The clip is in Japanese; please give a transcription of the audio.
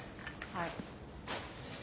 はい。